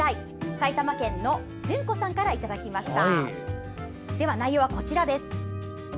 埼玉県の淳子さんからいただきました。